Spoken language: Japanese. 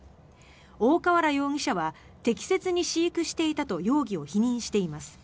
大河原容疑者は適切に飼育していたと容疑を否認しています。